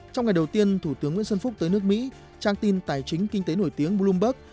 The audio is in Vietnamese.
trong ngày đầu tiên thủ tướng nguyễn xuân phúc tới nước mỹ trang tin tài chính kinh tế nổi tiếng bloomberg